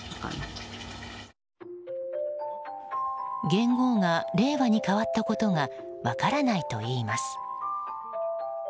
元号が令和に変わったことが分からないといいます。